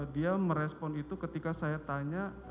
dia merespon itu ketika saya tanya